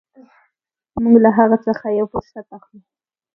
موږ له هغه څخه یو فرصت اخلو.